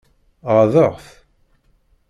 Ɣaḍeɣ-t?